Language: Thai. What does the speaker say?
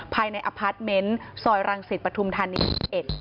ภายในอพาร์ทเมนต์ซอยรังศิษย์ประทุมธนิษฐ์